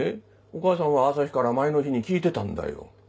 お母さんは朝陽から前の日に聞いてたんだよ。